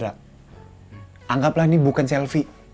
anggaplah ini bukan selfie